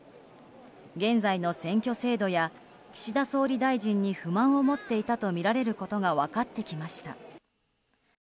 現在の選挙制度や岸田総理大臣に不満を持っていたとみられることが分かってきました。